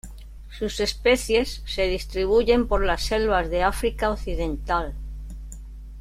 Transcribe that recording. Sus especies se distribuyen por las selvas de África Occidental.